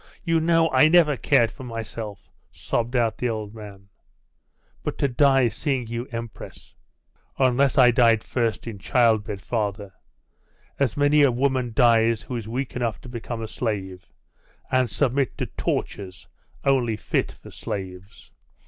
You know I never cared for myself!' sobbed out the old man. 'But to die seeing you empress!' 'Unless I died first in childbed, father, as many a woman dies who is weak enough to become a slave, and submit to tortures only fit for slaves.